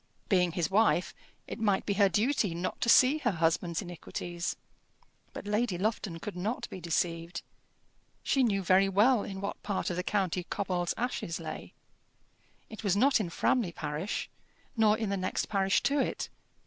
Being his wife, it might be her duty not to see her husband's iniquities. But Lady Lufton could not be deceived. She knew very well in what part of the county Cobbold's Ashes lay. It was not in Framley parish, nor in the next parish to it.